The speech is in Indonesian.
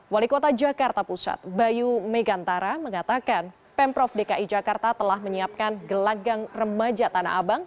wali kota jakarta pusat bayu megantara mengatakan pemprov dki jakarta telah menyiapkan gelagang remaja tanah abang